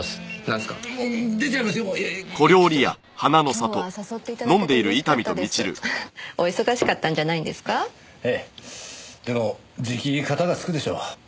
でもじきカタがつくでしょう。